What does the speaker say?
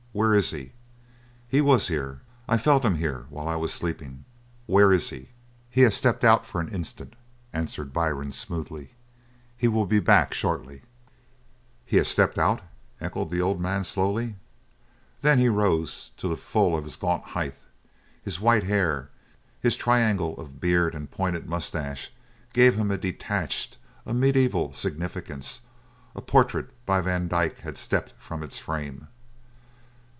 Where is he? He was here. I felt him here while I was sleepin'. where is he?" "He has stepped out for an instant," answered Byrne smoothly. "He will be back shortly." "He has stepped out?" echoed the old man slowly. Then he rose to the full of his gaunt height. His white hair, his triangle of beard and pointed moustache gave him a detached, a mediaeval significance; a portrait by Van Dyck had stepped from its frame.